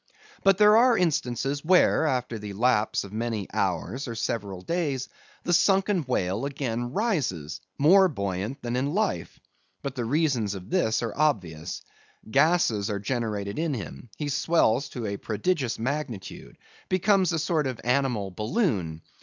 But there are instances where, after the lapse of many hours or several days, the sunken whale again rises, more buoyant than in life. But the reason of this is obvious. Gases are generated in him; he swells to a prodigious magnitude; becomes a sort of animal balloon.